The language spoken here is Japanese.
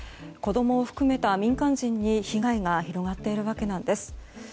子供を含めた民間人に、被害が広がっているわけなんです。